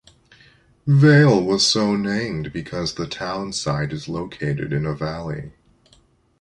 Vale was so-named because the town site is located in a valley.